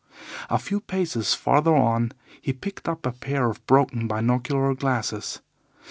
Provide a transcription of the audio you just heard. A few paces farther on he picked up a pair of broken binocular glasses.